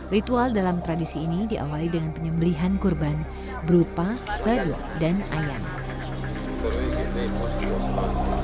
ritual dalam tradisi ini diawali dengan penyembelihan kurban berupa badut dan ayam